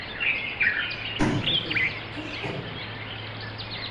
Paskaties, kas te...